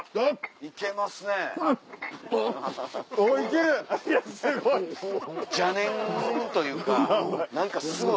いやすごい。